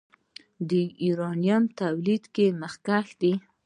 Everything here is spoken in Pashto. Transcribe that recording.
د یورانیم تولید کې مخکښ دی.